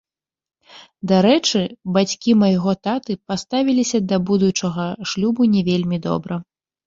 Дарэчы, бацькі майго таты паставіліся да будучага шлюбу не вельмі добра.